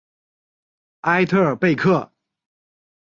埃特尔贝克。